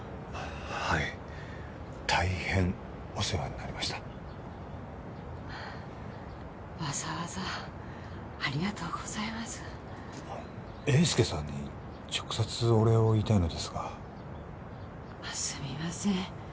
はい大変お世話になりましたわざわざありがとうございます英輔さんに直接お礼を言いたいのですがすみません